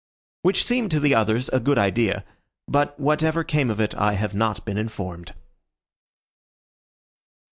Which seemed to the others a good idea, but whatever came of it I have not been informed.